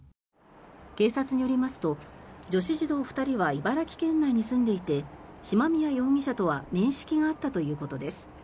警察によりますと女子児童２人は茨城県内に住んでいて嶋宮容疑者とは面識があったということです。